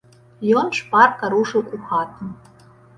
Ён шпарка рушыў у хату.